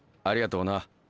ありがとうな。